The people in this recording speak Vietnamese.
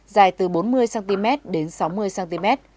dài từ bốn mươi cm đến sáu mươi cm